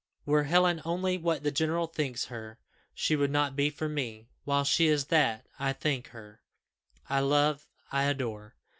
Were Helen only what the general thinks her, she would not be for me; while she is what I think her, I love I adore!"